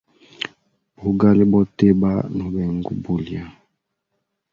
Bugali boteba, no benga ubulya.